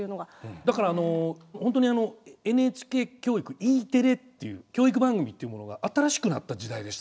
だからホントにＮＨＫ教育Ｅテレっていう教育番組っていうものが新しくなった時代でしたよね。